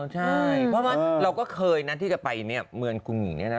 ใช่เพราะว่าเราก็เคยนะที่จะไปเมืองคุณหมิ่งนี้นะ